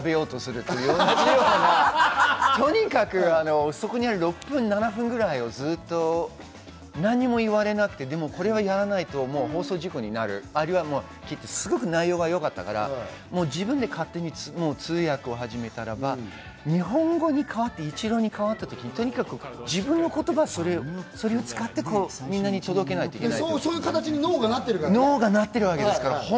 野良猫がお腹すかしてて、そこにある食べ物を全部食べようとするっていう、同じような、とにかくそこにある６分、７分ぐらいをずっと何も言われなくて、でもこれは、やらないと放送事故になる、或いはすごく内容がよかったから、自分で勝手に通訳を始めたらば、日本語に変わって、イチローに変わったときに、とにかく自分の言葉、それを使って、みんなに届けないといけない。